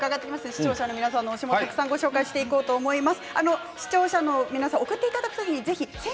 視聴者の皆さんの推しもご紹介したいと思います。